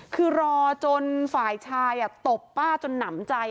คือรอจนฝ่ายชายตบป้าจนหนำใจ